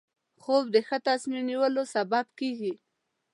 خوب د ښه تصمیم نیولو سبب کېږي